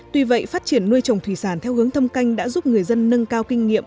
tuy vậy phát triển nuôi trồng thủy sản theo hướng thâm canh đã giúp người dân nâng cao kinh nghiệm